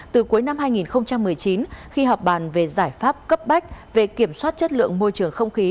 từ cuối năm hai nghìn một mươi chín khi họp bàn về giải pháp cấp bách về kiểm soát chất lượng môi trường không khí